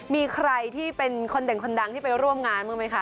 มีใครที่เป็นคนเด่นคนดังที่ไปร่วมงานบ้างไหมคะ